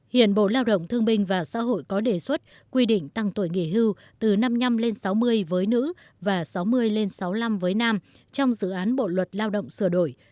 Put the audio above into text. hiện bộ lao động thương minh và xã hội có đề xuất quy định tăng tuổi nghỉ hưu từ năm mươi năm lên sáu mươi với nữ và sáu mươi lên sáu mươi năm với nam trong dự án bộ luật lao động sửa đổi